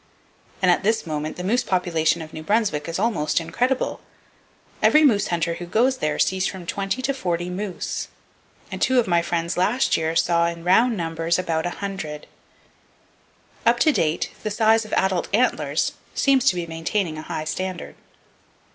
And at this moment, the moose population of New Brunswick is almost incredible. Every moose hunter who goes there sees from 20 to 40 moose, and two of my friends last year saw, "in round numbers, about 100!" Up to date the size of adult antlers seem to be maintaining a high standard.